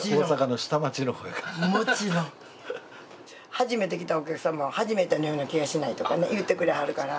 初めてのお客さんも初めてのような気がしないとか言うてくれはるから。